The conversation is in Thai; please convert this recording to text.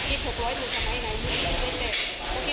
กิ๊กไปก็มีในนิตุภาพแค่สองชุด